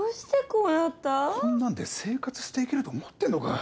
こんなんで生活していけると思ってるのか？